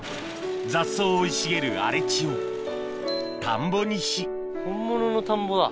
雑草生い茂る荒れ地を田んぼにし本物の田んぼだ。